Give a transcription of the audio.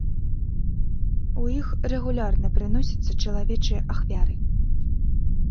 У іх рэгулярна прыносяцца чалавечыя ахвяры.